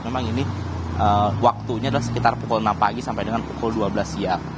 memang ini waktunya adalah sekitar pukul enam pagi sampai dengan pukul dua belas siang